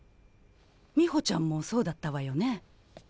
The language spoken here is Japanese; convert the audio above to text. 美穂ちゃんもそうだったわよね？